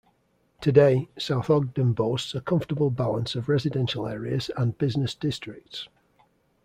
Today, South Ogden boasts a comfortable balance of residential areas and business districts.